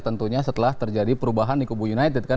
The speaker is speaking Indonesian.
tentunya setelah terjadi perubahan di kubu united kan